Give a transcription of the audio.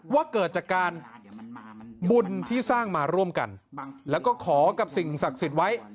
ว่าเกิดจากการบุญที่สร้างมาร่วมกันแล้วก็ขอกับสิ่งศักดิ์สิทธิ์ไว้